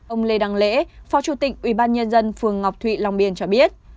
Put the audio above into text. ông lê đăng lễ phó chủ tịch ubnd phường ngọc thụy long biên cho biết